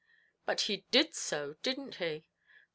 "But he did so; didn't he?"